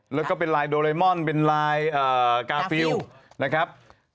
แล้วก็เป็นลายโดเรมอนเป็นลายกาฟิลนะครับ